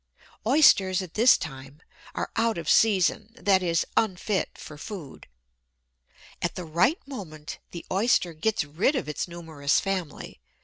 Oysters, at this time, are "out of season" that is, unfit for food. At the right moment, the Oyster gets rid of its numerous family.